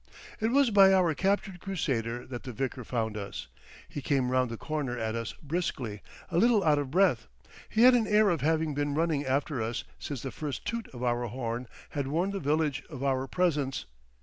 It was by our captured crusader that the vicar found us. He came round the corner at us briskly, a little out of breath. He had an air of having been running after us since the first toot of our horn had warned the village of our presence.